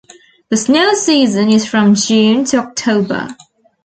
The snow season is from June to October.